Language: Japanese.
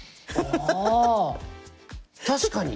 確かに！